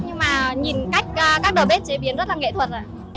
nhưng mà nhìn cách các đầu bếp chế biến rất là nghệ thuật